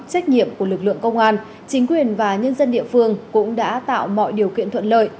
trách nhiệm của lực lượng công an chính quyền và nhân dân địa phương cũng đã tạo mọi điều kiện thuận lợi